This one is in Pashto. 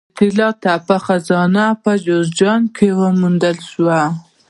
د طلا تپه خزانه په جوزجان کې وموندل شوه